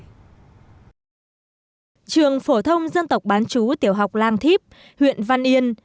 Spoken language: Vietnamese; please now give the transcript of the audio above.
trường phổ thông dân tộc bán chú tiểu học lan thiếp huyện văn yên